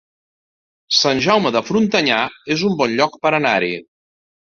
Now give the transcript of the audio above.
Sant Jaume de Frontanyà es un bon lloc per anar-hi